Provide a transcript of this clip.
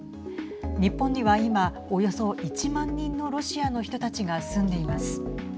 日本には今およそ１万人のロシアの人たちが住んでいます。